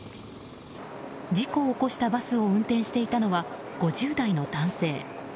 事故を起こしたバスを運転していたのは５０代の男性。